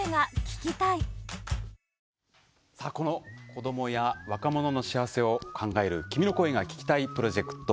子どもや若者の幸せを考える「君の声が聴きたい」プロジェクト。